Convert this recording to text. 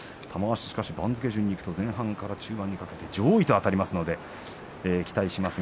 番付順に前半から中盤にかけて上位とあたりますので期待します。